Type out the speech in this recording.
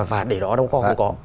và để đó đâu có